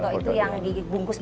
enders yang yang enak ya